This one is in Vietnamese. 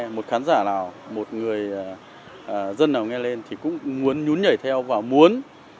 một khán giả nào một người dân nào nghe lên thì cũng muốn nhún nhảy theo và muốn